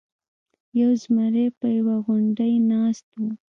یو زمری په یوه غونډۍ ناست و.